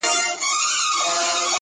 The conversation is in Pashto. • بو ډا تللی دی پر لار د پخوانیو,